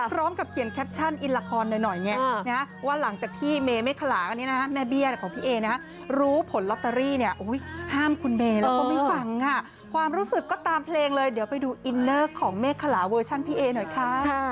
พร้อมกับเขียนแคปชั่นอินละครหน่อยไงว่าหลังจากที่เมเมฆขลาอันนี้นะแม่เบี้ยของพี่เอนะฮะรู้ผลลอตเตอรี่เนี่ยห้ามคุณเมย์แล้วก็ไม่ฟังค่ะความรู้สึกก็ตามเพลงเลยเดี๋ยวไปดูอินเนอร์ของเมฆขลาเวอร์ชันพี่เอหน่อยค่ะ